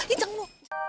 ih jangan lho